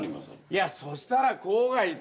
いやそしたら。